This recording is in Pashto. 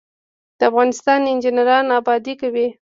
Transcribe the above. د افغانستان انجنیران ابادي کوي